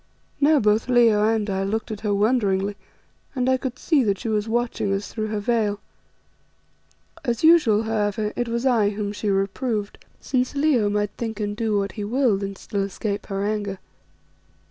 Now both Leo and I looked at her wonderingly, and I could see that she was watching us through her veil. As usual, however, it was I whom she reproved, since Leo might think and do what he willed and still escape her anger.